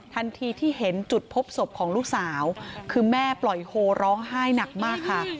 ทันทีที่เห็นจุดพบศพของลูกสาวคือแม่ปล่อยโฮร้องไห้หนักมากค่ะ